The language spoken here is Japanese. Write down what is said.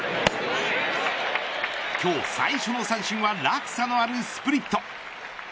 今日最初の三振は落差のあるスプリット。